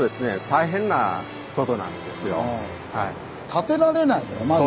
建てられないですよねまず。